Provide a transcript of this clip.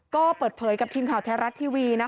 ก็เปิดเผยกับทีมข่าวแท้รัฐทีวี